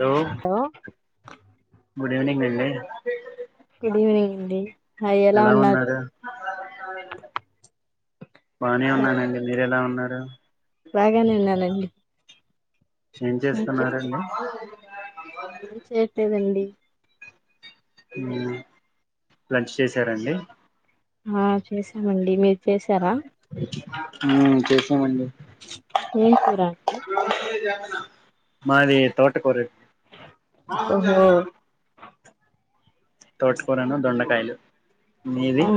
Hello ఆ good evening అండి evening అండి హాయ్ ఎలా ఉన్నారు. బానే బాగా ఉన్నానండి మీరు ఎలా ఉన్నారు. బాగానే ఉన్నానండి. ఏం చేస్తున్నారండి. ఏం చేయ్యట్లేదండి. హ్మ్ లంచ్ చేసారాండి. ఆ చేసామండి మీరు చేసారా ఆ చేసామండి ఏం కూర అండి మాది తోట కూరాండి ఓహో తోటకోరను దొండకాయలు మీది ఆ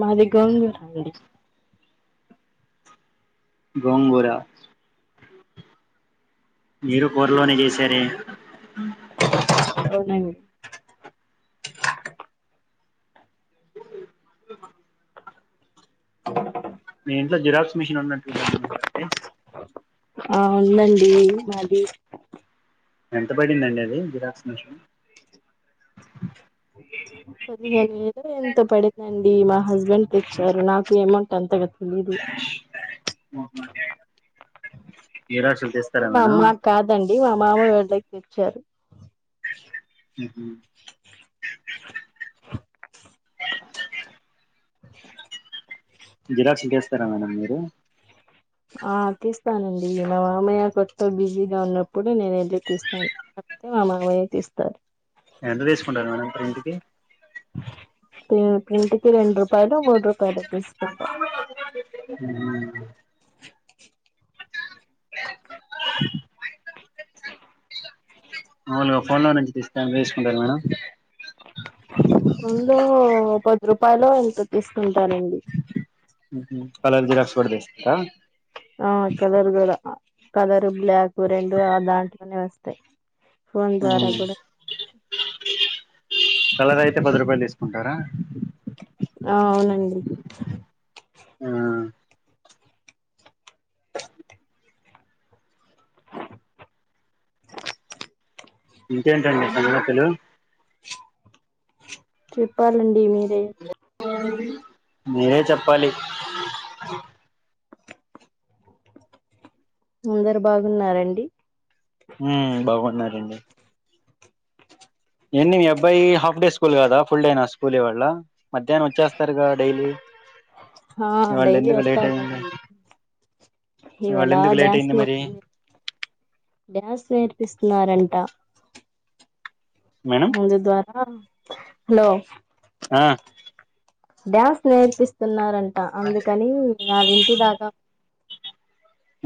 మాది గొంగురాండి గొంగురా మీరు కూరలోనే చేసారే టూ నైన్ మీ ఇంట్లో జిరాక్స్ మిషన్ ఉన్నట్టుండికదండి ఆ ఉందండి మాది ఎంత పడిందండి అది జిరాక్స్ మెషిన్ పదిహేను లేదు ఎంతో పడింది అండ్ డి మా హస్బెండ్ తెచ్చారు నాకు అమౌంట్ అంతగా తెలీదు జిరాక్స్లు తీస్తారా ఇ మా మేడం మాక్ కాదండి మా మామ వాళ్లది తేచ్చారు జిరక్స్ లు తిస్తారా మేడం మీరు ఆ తీస్తానండి మా మామయ్య కొత్త బిజీగా ఉన్నప్పుడు నేను ఐతే తీస్తాను మా మామయ్య తిస్తారు ఎంత తీసుకుంటారు మేడం ప్రింట్ కి ప్రింట్ కి రెండు రూపాయలు మూడు రూపాయలు తీసుకుంటాను ఉ [unintelligible] మామూలుగా ఫోన్ల నుంచి తీస్తా ఎంత తీసుకుంటారు మేడం ఉందో పది రూపాయలో ఎంతో తీసుకుంటారండి కలర్ జిరాక్స్ కూడా తీస్తారా ఆ కలర్ కూడా కలరు బ్లాక్ రెండు ఆ దాంట్లోనే వస్తాయి ఫోన్ ద్వారా కూడా కలర్ అయితే పది రూపాయలు తీసుకుంటారా ఆ అవునండి ఆ ఇంకేంటండి సంగతులు చెప్పాలండీ మీరే మీరే చెప్పాలి అందరు బాగున్నారండి ఏండి ఎండి మీ అబ్బాయి హాఫ్ డే స్కూల్ కదా ఫుల్ డే నా స్కూల్ ఇవాళ్ళ మధ్యాహ్నం వచ్చేస్తారుగా డైలీ ఆ ఇవాళ డైలీ ఎందుకు లేట్ అయింది వస్తాడండి ఇవాళ ఇవాల ఎందుకు లేట్ డ్యాన్స్ అయింది క్లా మరి డ్యాన్స్ నేర్పిస్తున్నారంట మేడం ముందు ద్వారా హలో ఆ డ్యాన్స్ నేర్పిస్తున్నారంట అందుకని వాళ్ళ ఇంటి దాకా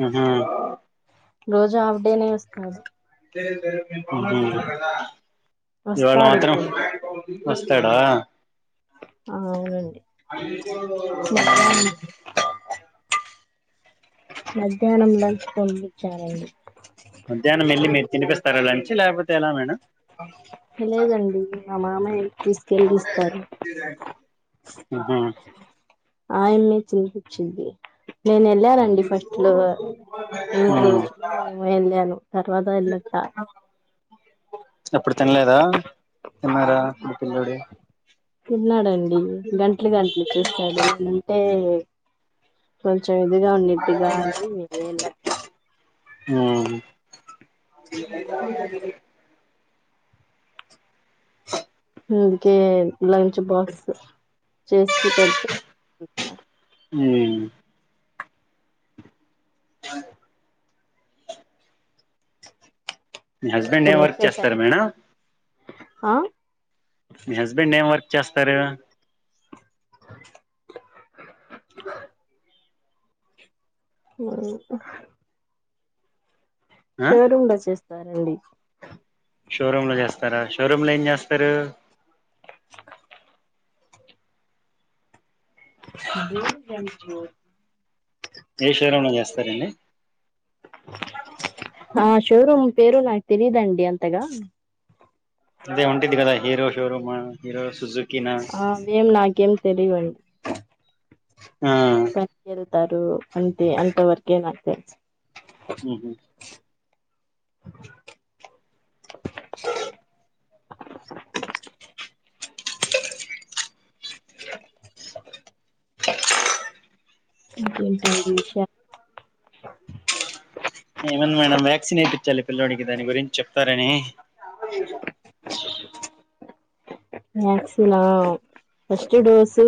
ఆహా రోజు ఆఫ్ డేనే వస్తాడు ఇవాళ వస్తాడు మాత్రం ఇప్పుడు వస్తాడా ఆ అవునండి ఉహు మధ్యాహ్నం మధ్యాహ్నం లంచ్ కో మధ్యాహ్నం వెళ్ళి మీరు తినిపిస్తారా లంచ్ లేపోతే ఎలా మేడం హ లేదండి మామయ్యాకి తీసుకెళ్లిస్తారు ఆహా ఆయనే తినిపించింది నేన వెళ్ళానండి ఫస్ట్ లో మూడు ఉమ్ రోజులుమో వెళ్ళాను తర్వాత వెళ్ళట ఎప్పుడు తినలేదా తిన్నారా మీ పిల్లుడి తిన్నాడండి గంటలు గంటలు చేస్తాడు ఉంటే చేదుగా ఉన్నట్టుగా అని హమ్ ఉమ్ కీ లంచ్ బాక్స్ చేసి పెడితే అ అ మీ హస్బెండ్ ఏం వర్క్ చేస్తారు మేడం హా మీ హస్బెండ్ ఏం వర్క్ చేస్తారు అ ఉ హు ఆ షోరూమ్ లో చేస్తారండి షో రూమ్ లో ఏం చేస్తారు బ ఏ షో రూమ్ లో చేస్తరండి ఆ షోరూమ్ పేరు నాకు తెలీదండి అంతగా అదే ఉంటది కదా హీరో షోర ఆ ఎం నాకేం తెలివండి ఆ తారు అంతే అంత వరకే నాకు థెలుసు హుమ్ హు ఎంటాండి విషయాల్ ఏమంది మేడం వ్యాక్సిన్ వేయిించాలి పిల్లడికి దాని గురించి చెప్తారని వక్సన్ ఆ ఫస్ట్ డోసు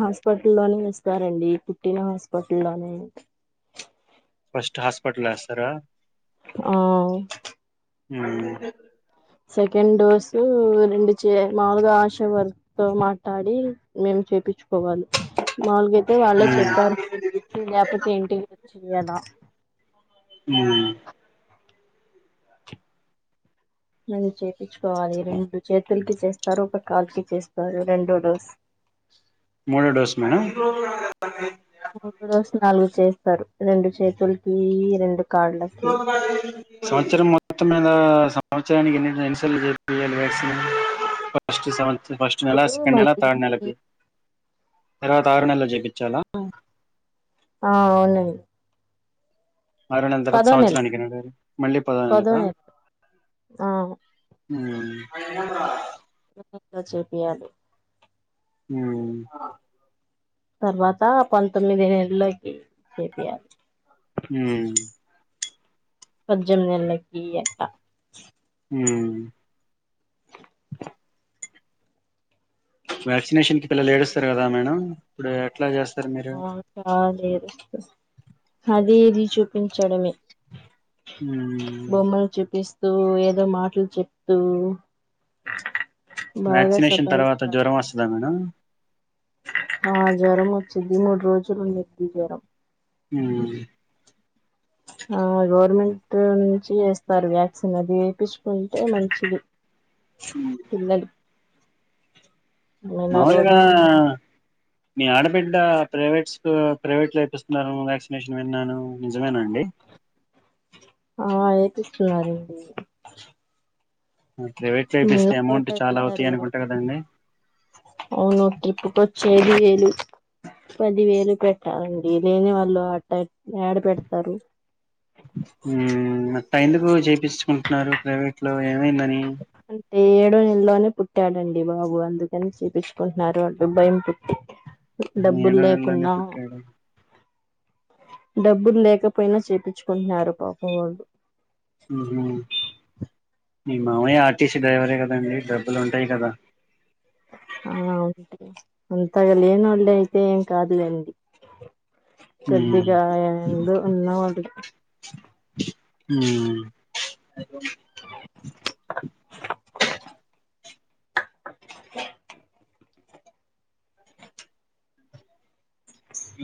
హాస్పిటల్ల్లోనే ఇస్తారండి పుట్టిన హాస్పిటల్లోనే ఫస్ట్ హాస్పిటల్స్తారా ఆ ఉ సెకండ్ డోసు రెండు మాలుగా ఆశా వర్క్ తో మాట్లాడి మేము చెపిన్‌చుకోవాలి మాములుగాతే వాళ్ళే మ్మ్ చెప్పారు న లేకపోతే ఏంటికి వచ్చియాల ఉమ్ ఉమ్ చెపిచ్చుకోవాలి రెండు చేతులకి చేస్తారు ఒక కాలుకి చేస్తారు రెండో డోస్ ముడు డోస్ మేడమ్ మూడు రోజు నాలుగు చేస్తారు రెండు చేతులకి రెండు కాళ్ళకి సంవత్సరం మొత్తం మిధా సంవత్సరానికి ఎన్ని సార్లు చెపియాలి వ్యాక్సిన్ మొదటి నెల ఇప్పుడు సెకండ్ నెల తర్డ్ మళ్ళీ నెలాకి తర్వాత ఆరు నెలలు జేపించాలా ఆ అవనండి ఆరు నెల తర్వాత సంవత్సరానికి మళ్ళీ పదో నెలకా ఆ ఉమ్ చెపియాలి మ్ తర్వాత పంతొమ్మిది నెలై మ్ పజెంనెలకి ఈ అక్క ఉ వ్యాక్సినేషన్ కి పిల్లలు ఏడుస్తారు కదా మేడం ఇప్పుడు ఎట్లా చేస్త ఆ చాలా ఏడుస్తారు అది ఇది చూపించడమే మ్మ్ బోమ్మలు చూపిస్త చు ఏదో మాటలు చెప్తూ బాగా వ్యాక్సినేషన్ తర్వాత సతాయిస్తారు జ్వరం వస్తదా మేడం ఆ జ్వరం వచ్చిది మూడు రోజులు ఉండిద్ది జ్వరం మ్ ఆ గవర్నమెంట్ నుంచి ఎస్తారు వ్యాక్సిన్ అది వేపిచ్చుకుంటే మంచిది పిల్లలు ఏమైనా మామూలుగా రోగాలు మీ ఆడబిడ్డ ప్రైవేట్ ప్రైవేట్ లో వేపిస్తున్నారు వ్యాక్సినేషన్ విన్నాను నిజమేనా అండి ఆ వేపిస్తున్నారండి ప్రైవేట్ లో నిన్న వేపిస్తే అమౌంట్ కూడా చాలా అవుతాయి వెళ్ళారు అనుకుంటా కదండి అవును ట్రిప్పుకొచ్చేది వేలు పది వేలు పెట్టాలండి లేని వాళ్ళు అట్ట యాడ పెడతారు మ్ అట్ట ఎందుకు చేపించుకుంటున్నారు ప్రైవేట్ లో ఏమైందని అంటే ఏడో నెల్లోనే పుట్టాడండి బాబు అందుకని చేపించ్చుకుంటున్నారు వాళ్ళు భయం పుట్టి ఆహా! డబ్బులు ఏడో నెలలోనే లేకున్నా పుట్టాడు డబ్బులు లేకపోయినా చేపిచ్చుకుంటున్నారు పాపం వాళ్ళు మ్ హు మి మావయ్యా ఆర్టీసీ డ్రైవరే కదండి డబ్బులు ఉంటాయి కదా ఆ అవును అంతగా లేనోళ్ళు అయితే ఏం కాదులేండి మ్మ్. కొద్దిగా ఏందో వున్నోడు హ్మ్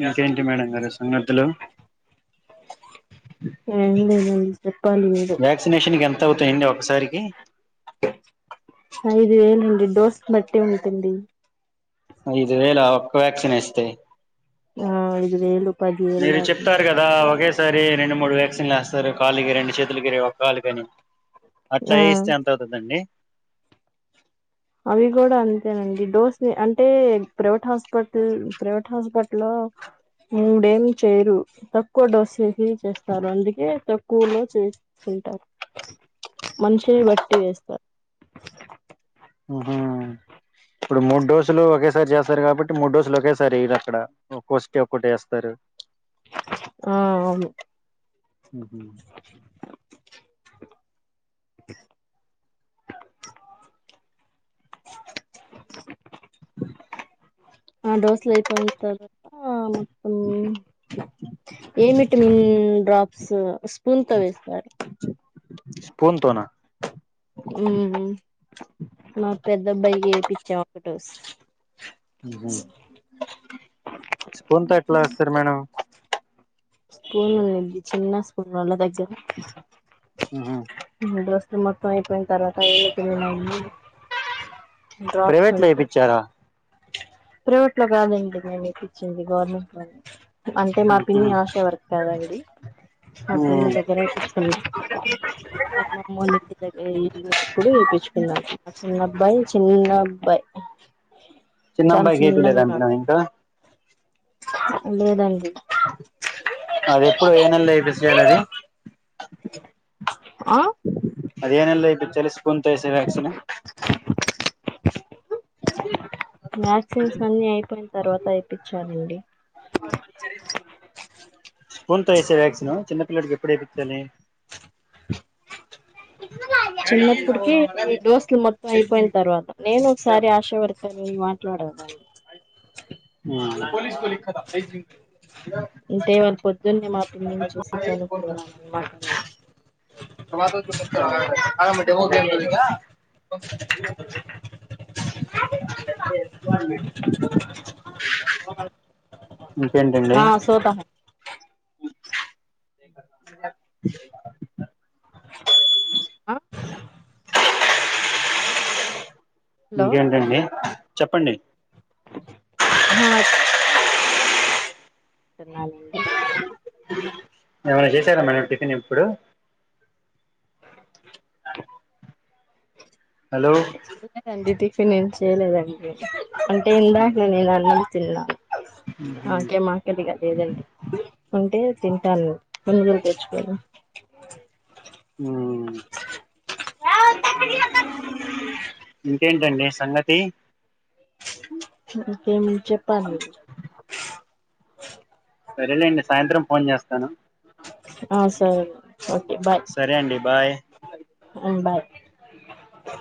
ఇంకేంటి మేడం గారు సంగతులు ఏం లేదండి చెప్పాలి మీరే వ్యాక్సినేషన్కి ఎంత అవుతాయండి ఒకసారికి ఐదు వేలు అండి డోస్ కి బట్టి ఉంటుంది ఐదు వేల ఒక్క వ్యాక్సిన్ వేస్తే ఆ ఐదు వేలు పదివేలు మీరు చెప్పారు దాకుంటాయి కదా ఒకే ఒకసారి రెండు మూడు వ్యాక్సిన్లు వేస్తారు కాలుకి రెండు చేతులకి ఒక కాలు కనీ అట్లా ఆ వేస్తే ఎంత అవుతుందండి అవి కూడా అంతేనండి డోస్ ని అంటే ప్రైవేట్ హాస్పిటల్ ప్రైవేట్ హాస్పిటల్లో మూడేం చేయరు తక్కువ డోస్ వేసి చేస్తారు అందుకే తక్ స్కూల్లో చేస్తుంటారు మనిషిని బట్టి వేస్తారు ఆ ఇప్పుడు మూడు డోసులు ఒకేసారి చేస్తారు కాబట్టి మూడు డోసులు ఒకేసారి వేయరు అక్కడ ఒకోష్టి ఒక్కొటి వేస్తారు ఆ అవును ఉహు ఆ డోసులు అయిపోయిన తర్వాత మొత్తం ఏ విటమిన్ డ్రాప్స్ స్పూన్ తో వేస్తారు స్పున్ తోనా ఉమ్ మా పెద్దబ్బాయికి ఏపిచ్చాం డోస్ స్పూన్ తో ఎట్లా వేస్తారు మేడం స్పూన్ ఉంది చిన్న స్పూన్ వాళ్ళ దగ్గర ఉహు డోస్ మొత్తం ఐపోయిన తర్వాత ఏంచేపిండ్రు మళ్ళీ డ్రాప్స్ ప్రైవేట్ లో వుంటాయ్ వేపిచ్చారా ప్రైవేట్ లో కాదండి మేం ఎపిచ్చింది గవర్నమెంట్ లోను అంటే మా పిన్ని ఉహు ఆశ వర్క కాదా ఆవిడి మా ఉ పిన్ని దగ్గర వేపిచ్చుకున్న మి అమ్మమొల్లా ఇంటిదగ్గర ఇల్లు ఎప్పిడి ఇప్పించుకున్నా మా చిన్న అబ్బాయి చిన్న అబ్బాయి చాల చిన్నబ్బాయికి ఏపిలేదా చిన్నగున్నాడు మేడం ఇంకా లేదండి అది ఎప్పుడు ఏ నెల ఎపిచేయాలి అది ఆ అదేనెల్లో వేపించాలి స్పూన్ తో వేసే వ్యాక్సన మ్యాక్సిమ్స్ అన్ని అయిపోయిన తర్వాత ఏపించానండి స్పూన్ తో వేసే వ్యాక్సిన్ చిన్నపిల్లడికి ఎప్పుడ వేపించాలి చిన్నప్పుటికే డోసులు మొత్తం అయిపోయిన తర్వాత నేను ఒకసారి ఆశా వర్ సరే నే మాట్లాడదన్ పోలీస్ కొలిత అంటే వాళ పొద్దున్నే మా పిండిని చూసి కనుక్కున్నాను అన్నమాట నను మా అరంట ఎ ఆ సోత ఆ హలో ఇంకేంటండి చెప్పండి హా టన్నాలండి ఏమైనా చేశార మేడం టిఫిన్ ఇప్పుడు హలో లదండి టిఫనేం చేయలేదండి అంటే ఇందాకనే నేను అన్నం తిన్నా ఆకే మాకలి దిగలేదండి ఉంటే తిన్ ను పునుగులు తెచ్చుకోని ఆ ఇంకేంటండి సంగతి ఇంకేం చెప్పాలి సరేలేండి సాయంత్రం ఫోన్ చేస్తాను ఆ సరే ఓకే బాయ్ సరే అండి బాయ్ బాయ్